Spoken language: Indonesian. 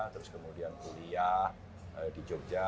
terus kemudian kuliah di jogja